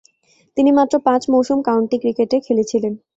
তিনি মাত্র পাঁচ মৌসুম কাউন্টি ক্রিকেটে খেলেছিলেন।